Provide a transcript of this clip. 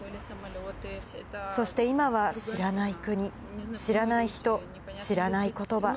そして今は知らない国、知らない人、知らないことば。